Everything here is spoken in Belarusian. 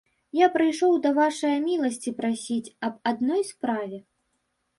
Я прыйшоў да вашае міласці прасіць аб адной справе.